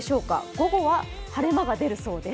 午後は晴れ間が出るそうです。